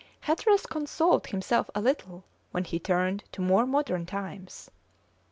Hatteras consoled himself a little when he turned to more modern times.